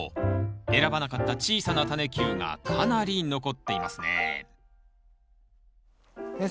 選ばなかった小さなタネ球がかなり残っていますね先生